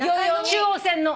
中央線の。